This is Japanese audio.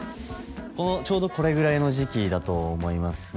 ちょうどこれぐらいの時期だと思いますね